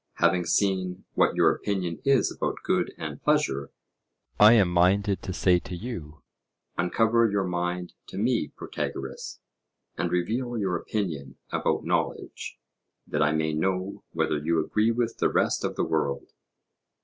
Having seen what your opinion is about good and pleasure, I am minded to say to you: Uncover your mind to me, Protagoras, and reveal your opinion about knowledge, that I may know whether you agree with the rest of the world.